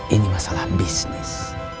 ini masalah bisnis